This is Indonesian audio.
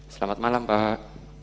selamat malam pak